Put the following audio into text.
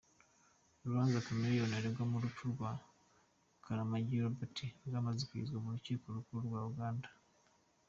Urubanza Chameleone aregwamo urupfu rwa Kalamagi Robert rwamaze kugezwa mu rukiko rukuru rwa Uganda.